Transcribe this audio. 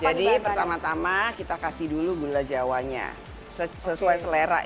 jadi pertama tama kita kasih dulu gula jawanya sesuai selera ini